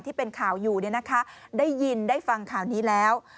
ที่เป็นข่าวอยู่ได้ยินได้ฟังข่าวนี้แล้ว